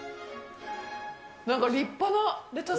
なんか立派なレタス。